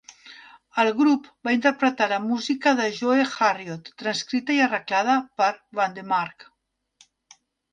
El grup va interpretar la música de Joe Harriott, transcrita i arreglada per Vandermark.